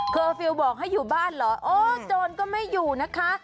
เคอร์ฟิลบอกให้อยู่บ้านเหรอโอ๊ยโจนก็ไม่อยู่นะคะ